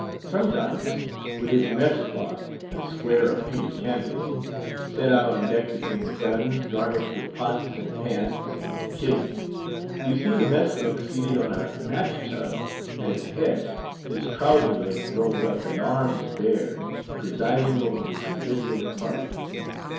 Sometimes, with his mess cloth—a square of painted canvas—set out on deck between the guns, garnished with pots, and pans, and kids, you see the mess cook seated on a matchtub at its head, his trowser legs rolled up and arms bared, presiding over the convivial party.